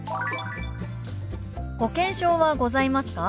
「保険証はございますか？」。